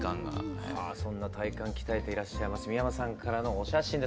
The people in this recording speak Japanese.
そんな体幹鍛えていらっしゃいます三山さんからのお写真です。